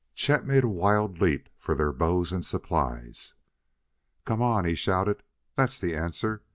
Chet made a wild leap for their bows and supplies. "Come on!" he shouted. "That's the answer.